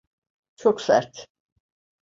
Çok sert.